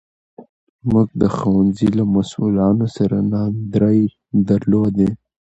موږ د ښوونځي له مسوولانو سره ناندرۍ درلودې.